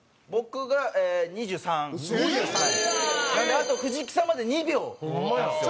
なのであと藤木さんまで２秒なんですよ。